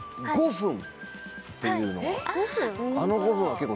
「５分」っていうのは？